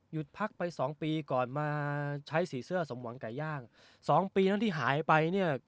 พักไปสองปีก่อนมาใช้สีเสื้อสมหวังไก่ย่างสองปีนั้นที่หายไปเนี่ย